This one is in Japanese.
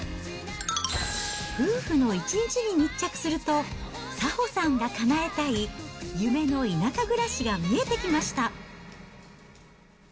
夫婦の一日に密着すると、早穂さんがかなえたい夢の田舎暮らしが見えてきました。